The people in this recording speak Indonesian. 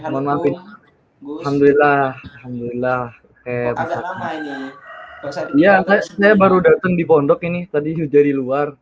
hai yang mengambil alhamdulillah alhamdulillah ya saya baru datang di pondok ini tadi jadi luar